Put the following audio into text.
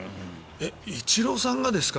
イチローさんがですか？